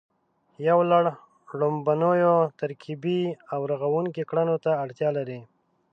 یو لړ ړومبنیو ترکیبي او رغوونکو کړنو ته اړتیا لري